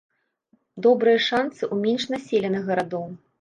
Добрыя шанцы ў менш населеных гарадоў.